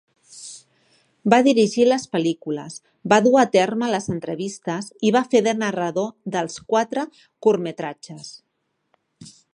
Va dirigir les pel·lícules, va dur a terme les entrevistes i va fer de narrador dels quatre curtmetratges.